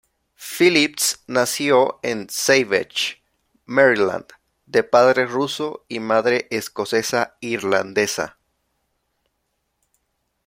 Phillips nació en Savage, Maryland, de padre ruso y madre escocesa-irlandesa.